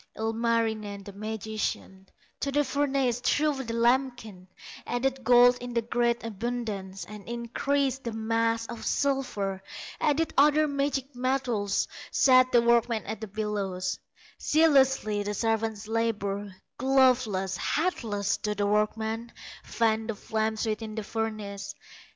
Ilmarinen, the magician, To the furnace threw the lambkin; Added gold in great abundance, And increased the mass of silver, Added other magic metals, Set the workmen at the bellows; Zealously the servants labor, Gloveless, hatless, do the workmen Fan the flames within the furnace.